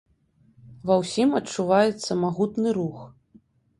Ва ўсім адчуваецца магутны рух.